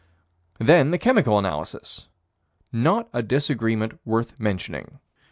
Then the chemical analyses: not a disagreement worth mentioning.